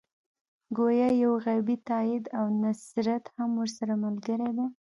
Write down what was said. ګویا یو غیبي تایید او نصرت هم ورسره ملګری دی.